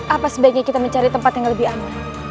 apa sebaiknya kita mencari tempat yang lebih aman